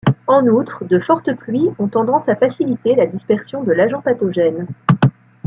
En outre, de fortes pluies ont tendance à faciliter la dispersion de l'agent pathogène.